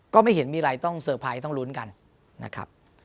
ก็ไม่เห็นมีอะไรต้องเซอร์ไพรส์ต้องลุ้นกันนะครับ